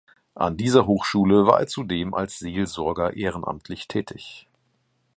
An dieser Hochschule war er zudem als Seelsorger ehrenamtlich tätig.